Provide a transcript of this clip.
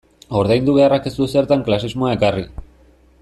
Ordaindu beharrak ez du zertan klasismoa ekarri.